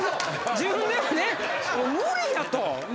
自分でもねもう無理やと。